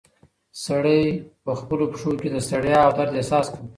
سړی په خپلو پښو کې د ستړیا او درد احساس کاوه.